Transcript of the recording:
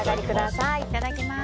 いただきます。